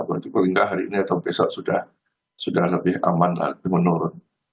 berarti paling tidak hari ini atau besok sudah lebih aman menurun